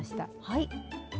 はい。